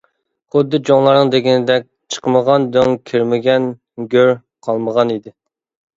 خۇددى چوڭلارنىڭ دېگىنىدەك «چىقمىغان دۆڭ ،كىرمىگەن گۆر» قالمىغان ئىدى.